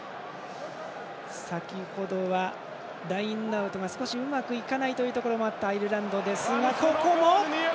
先ほどはラインアウトが少しうまくいかないところがあったアイルランドです。